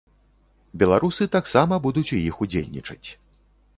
Беларусы таксама будуць у іх удзельнічаць.